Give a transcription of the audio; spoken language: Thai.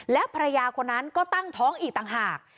แล้วภรรยาคนนั้นก็ตั้งท้องอีกต่างหาก